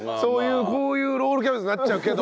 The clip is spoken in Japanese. こういうロールキャベツになっちゃうけど。